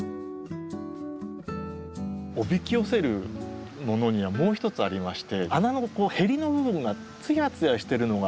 おびき寄せるものにはもう一つありまして穴のへりの部分がツヤツヤしてるのが。